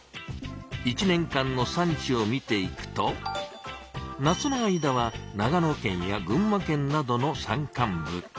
１年間の産地を見ていくと夏の間は長野県や群馬県などの山間部。